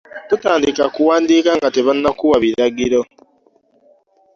Totandika kuwandika nga tebannakuwa biragiro!